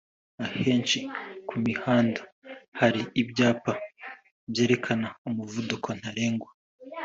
Ahenshi ku mihanda hari ibyapa byerekana umuvuduko ntarengwa